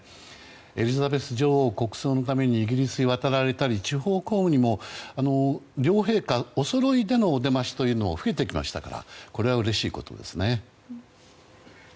エリザベス女王国葬のためにイギリスに渡られたり地方公務にも両陛下おそろいでのお出ましが増えてきましたからうれしいことですね。